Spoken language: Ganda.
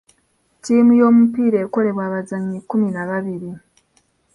Ttiimu y'omupiira ekolebwa abazannyi kkumi na babiri.